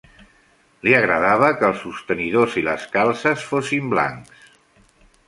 Li agradava que els sostenidors i les calces fossin blancs.